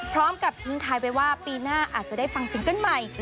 พร้อมกับทิ้งท้ายไปว่าปีหน้าอาจจะได้ฟังซิงเกิ้ลใหม่